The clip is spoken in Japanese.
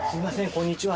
こんにちは。